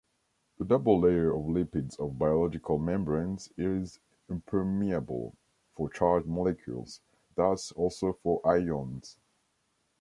The double layer of lipids of biological membranes is impermeable for charged molecules, thus also for ions.